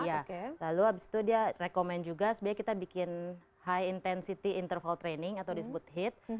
iya lalu abis itu dia rekomen juga sebenarnya kita bikin high intensity interval training atau disebut hit